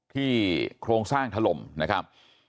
ที่โครงสร้างทะลมนะครับ